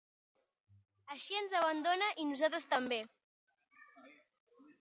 Així els abandona i nosaltres també.